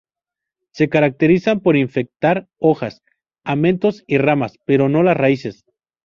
Se caracterizan por infectar hojas, amentos y ramas, pero no las raíces.